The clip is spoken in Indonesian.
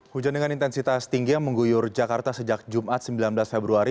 hujan dengan intensitas tinggi yang mengguyur jakarta sejak jumat sembilan belas februari